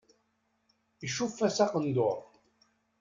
Icuff-as aqenduṛ.